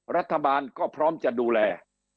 รัฐบาลก็พร้อมจะดูแล